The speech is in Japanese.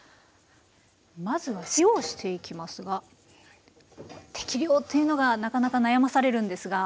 まずは塩をしていきますが適量っていうのがなかなか悩まされるんですが。